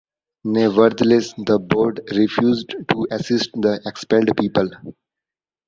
Nevertheless, the Board refused to assist the expelled people.